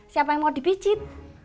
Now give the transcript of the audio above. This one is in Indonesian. siapa yang mau dipijit